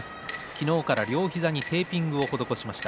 昨日から両膝にテーピングを施しました。